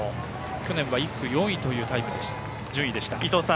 去年は１区４位という順位でした。